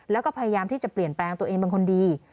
แล้วก็พยายามที่จะเปลี่ยนแปลงตัวเองเป็นคนดี